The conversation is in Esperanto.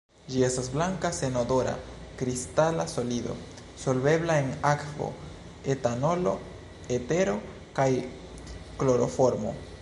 Ĝi estas blanka senodora kristala solido, solvebla en akvo, etanolo, etero kaj kloroformo.